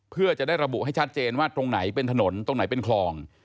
เพื่อจะได้ระบุให้ชัดเจนว่าตรงไหนเป็นถนนตรงไหนเป็นคลอง